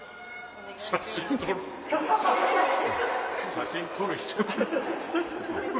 写真撮る人。